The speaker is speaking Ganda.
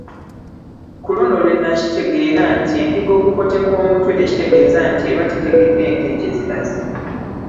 Ku luno lwe nakitegeera nti endiga okukoteka omutwe tekitegeeza nti eba tetegedde nte gye ziraze.